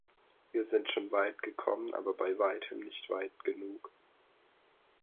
Wir sind schon weit gekommen, aber bei weitem nicht weit genug.